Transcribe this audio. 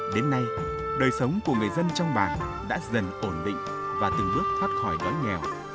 đến nay đời sống của người dân trong bản đã dần ổn định và từng bước thoát khỏi đói nghèo